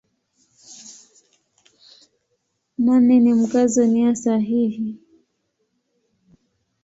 Nane ni Mkazo nia sahihi.